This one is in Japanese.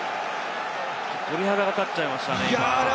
鳥肌が立っちゃいましたね！